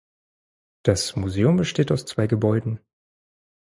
Das Museum besteht aus zwei Gebäuden.